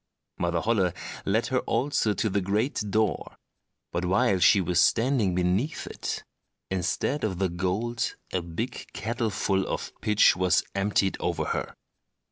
Mother Holle led her also to the great door; but while she was standing beneath it, instead of the gold a big kettleful of pitch was emptied over her.